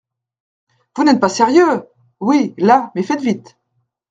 Vous n’êtes pas sérieux !… oui, là, mais faites vite !